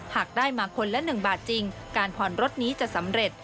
หากได้มาคนละ๑บาทจริงการผ่อนรถนี้จะสำเร็จ